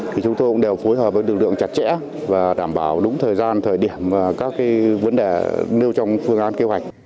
thì chúng tôi cũng đều phối hợp với lực lượng chặt chẽ và đảm bảo đúng thời gian thời điểm và các vấn đề nêu trong phương án kế hoạch